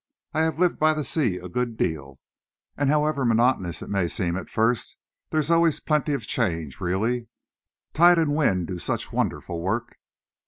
I have lived by the sea a good deal, and however monotonous it may seem at first, there's always plenty of change, really. Tide and wind do such wonderful work."